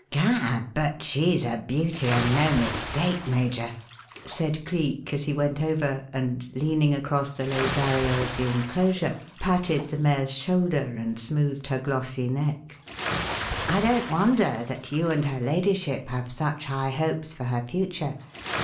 "Gad! but she's a beauty and no mistake, Major," said Cleek as he went over and, leaning across the low barrier of the enclosure, patted the mare's shoulder and smoothed her glossy neck. "I don't wonder that you and her ladyship have such high hopes for her future.